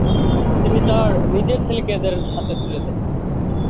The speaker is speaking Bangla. তিনি তাঁর নিজের ছেলেকে এদের হাতে তুলে দেন।